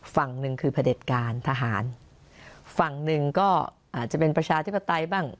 ฝั่งหนึ่งคือพระเด็จการทหารฝั่งหนึ่งก็อาจจะเป็นประชาธิปไตยบ้าง